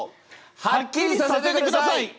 はっきりさせてください！